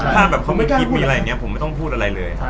ถ้าเขามีกลิฟท์มีอะไรอย่างนี้ผมไม่ต้องพูดอะไรเลย